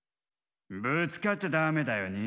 ぶつかっちゃダメだよね。